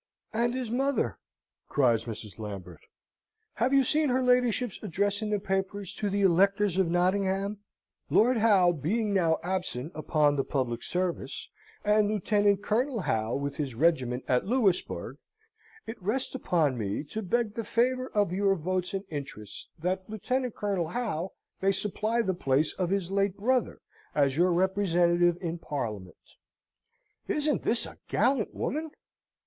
"And his mother!" cries Mrs. Lambert. "Have you seen her ladyship's address in the papers to the electors of Nottingham? 'Lord Howe being now absent upon the publick service, and Lieutenant Colonel Howe with his regiment at Louisbourg, it rests upon me to beg the favour of your votes and interests that Lieutenant Colonel Howe may supply the place of his late brother as your representative in Parliament.' Isn't this a gallant woman?"